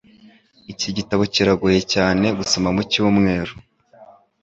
Iki gitabo kiragoye cyane gusoma mucyumweru.